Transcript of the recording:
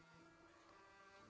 ketentangan sudah se betul